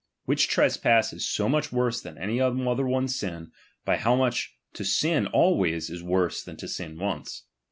Which trespass is so much Worse than any other one sin, by how much to sin ulways, is worse than to sin once.